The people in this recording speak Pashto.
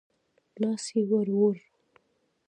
لاس يې ور ووړ.